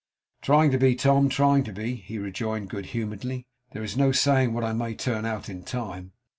'Trying to be, Tom; trying to be,' he rejoined good humouredly. 'There is no saying what I may turn out, in time.